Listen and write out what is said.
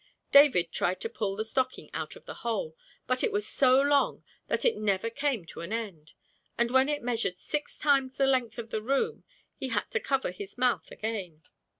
David tried to pull the stocking out of the hole, but it was so long that it never came to an end, and when it measured six times the length of the room he had to cover his mouth again.